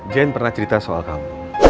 jane pernah cerita soal kamu